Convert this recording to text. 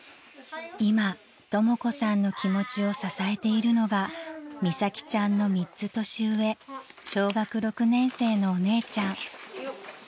［今とも子さんの気持ちを支えているのが美咲ちゃんの３つ年上小学６年生のお姉ちゃん］